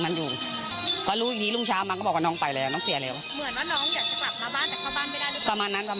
น้องจ้อยนั่งก้มหน้าไม่มีใครรู้ข่าวว่าน้องจ้อยเสียชีวิตไปแล้ว